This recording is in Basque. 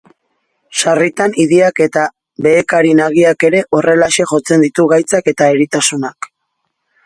Sarritan idiak eta beekari nagiak ere horrelaxe jotzen ditu gaitzak eta eritasunak.